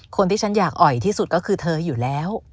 คนที่ฉันอยากอ่อยที่สุดก็คือเธออยู่แล้ว